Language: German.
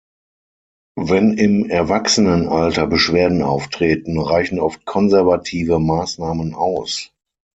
Wenn im Erwachsenenalter Beschwerden auftreten, reichen oft konservative Maßnahmen aus.